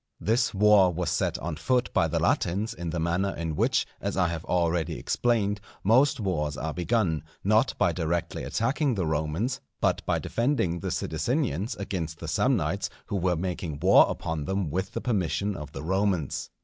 This war was set on foot by the Latins in the manner in which, as I have already explained, most wars are begun, not by directly attacking the Romans, but by defending the Sidicinians against the Samnites who were making war upon them with the permission of the Romans.